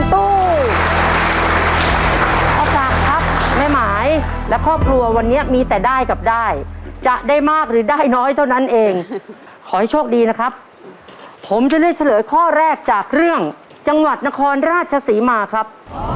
ตู้โอกาสครับแม่หมายและครอบครัววันนี้มีแต่ได้กับได้จะได้มากหรือได้น้อยเท่านั้นเองขอให้โชคดีนะครับผมจะเลือกเฉลยข้อแรกจากเรื่องจังหวัดนครราชศรีมาครับ